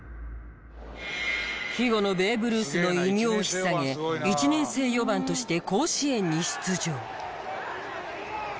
「肥後のベーブ・ルース」の異名を引っ提げ１年生４番として甲子園に出場。